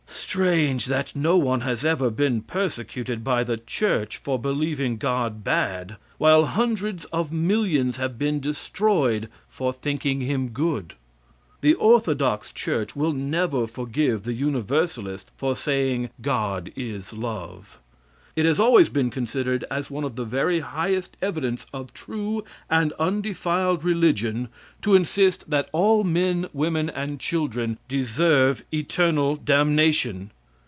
Strange that no one has ever been persecuted by the Church for believing God bad, while hundreds of millions have been destroyed for thinking him good. The orthodox church never will forgive the Universalist for saying "God is love." It has always been considered as one of the very highest evidence of true and undefiled religion to insist that all men, women and children deserve eternal damnation.